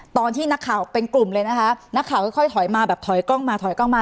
ตอนที่นักข่าวเป็นกลุ่มเลยนะคะนักข่าวค่อยถอยมาแบบถอยกล้องมาถอยกล้องมา